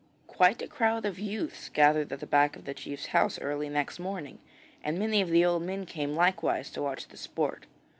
Quite a crowd of youths gathered at the back of the chief's house early next morning, and many of the old men came likewise to watch the sport.